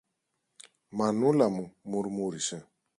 Μανούλα μου. μουρμούρισε.